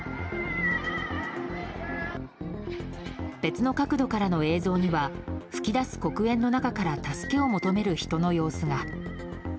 別の角度からの映像には噴き出す黒煙の中から助けを求める人の様子が。